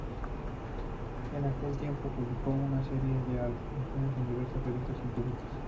En aquel tiempo publicó una serie de artículos en diversas revistas científicas.